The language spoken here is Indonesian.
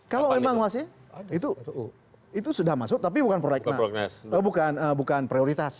kalau memang masih itu sudah masuk tapi bukan prioritas